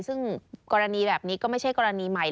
ซึ่งกรณีแบบนี้ก็ไม่ใช่กรณีใหม่